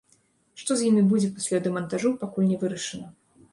Што з імі будзе пасля дэмантажу, пакуль не вырашана.